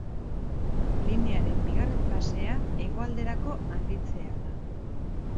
Linearen bigarren fasea, hegoalderako handitzea da.